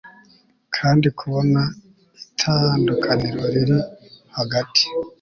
kandi kubona itandukaniro riri hagati